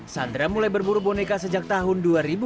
sandra mulai berburu boneka sejak tahun dua ribu